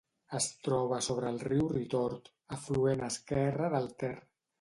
Es troba sobre el riu Ritort, afluent esquerre del Ter.